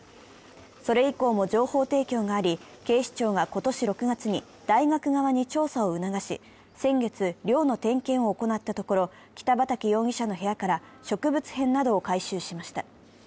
それ以降も情報提供があり、警視庁が今年６月に大学側に調査を促し、先月寮の点検を行ったところ北畠容疑者の部屋から植物片などを回収しました。